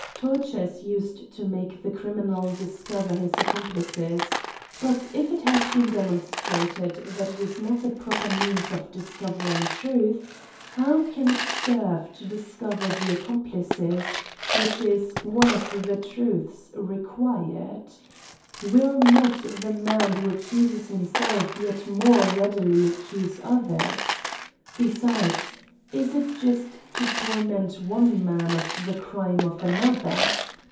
Torture is used to make the criminal discover his accomplices ; but if it has been demonstrated 68 • AN ESSAY ON that it is not at a proper means of discovering truth, how can it serve to discover the accomplices^ which is one of the truths required ? Will not the man who accuses himself yet more readily accuse others ? Besides, is it just to torment one man for the crime of another?